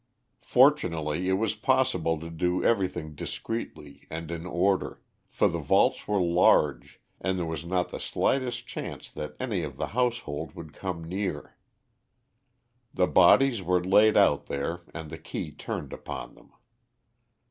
Fortunately it was possible to do everything discreetly and in order, for the vaults were large, and there was not the slightest chance that any of the household would come near. The bodies were laid out there and the key turned upon them.